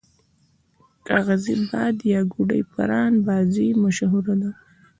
کاغذی باد یا ګوډی پران بازی مشهوره ده.